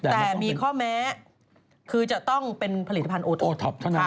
แต่มีข้อแม้คือจะต้องเป็นผลิตภัณฑ์โอท็อป